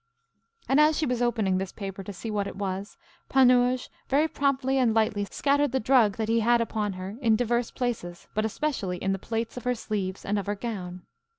And, as she was opening this paper to see what it was, Panurge very promptly and lightly scattered the drug that he had upon her in divers places, but especially in the plaits of her sleeves and of her gown.